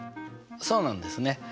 そうなんですね。